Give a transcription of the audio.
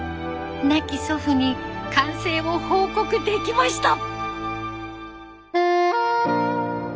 亡き祖父に完成を報告できました。